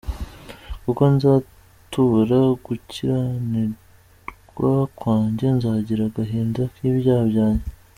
Kuko nzatura gukiranirwa kwanjye, Nzagira agahinda k’ibyaha byanjye.